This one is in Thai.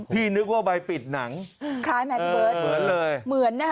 นึกว่าใบปิดหนังคล้ายไหมพี่เบิร์ตเหมือนเลยเหมือนนะฮะ